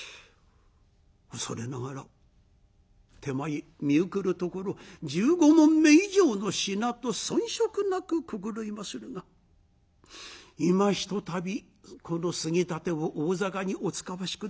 「恐れながら手前見ゆくるところ１５匁以上の品と遜色なく心得まするが今ひとたびこの杉立を大坂にお使わし下さりませ。